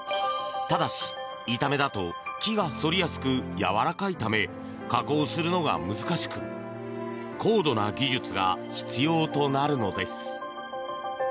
ただし、板目だと木が反りやすくやわらかいため加工するのが難しく高度な技術が必要となるのです。